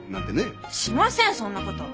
しませんそんなこと。